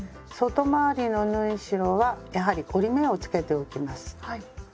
外回りの縫い代はやはり折り目をつけておきます。